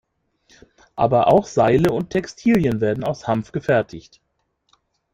Aber auch Seile und Textilien werden aus Hanf gefertigt.